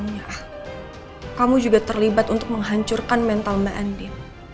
ya kamu juga terlibat untuk menghancurkan mental mbak andi